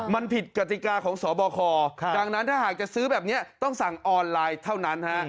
มันผิดกติกาของสบคดังนั้นถ้าหากจะซื้อแบบนี้ต้องสั่งออนไลน์เท่านั้นฮะ